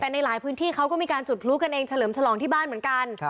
แต่ในหลายพื้นที่เขาก็มีการจุดพลุกันเองเฉลิมฉลองที่บ้านเหมือนกัน